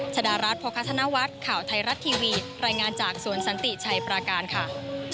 ชดารัฐโภคธนวัฒน์ข่าวไทยรัฐทีวีรายงานจากสวนสันติชัยปราการค่ะ